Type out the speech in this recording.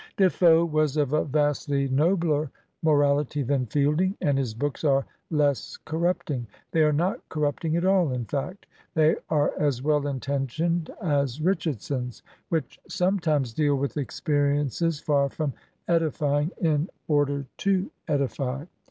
De Foe was of a vastly nobler moraUty than Fielding, and his books are less corrupting ; they are not corrupting at all, in fact; they are as well intentioned as Richardson's, which some times deal with experiences far from edifying in order to edify.